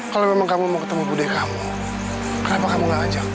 kalau memang kamu mau ketemu budek kamu kenapa kamu gak ngajak